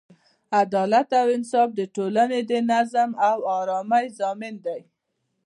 عدالت او انصاف د ټولنې د نظم او ارامۍ ضامن دی.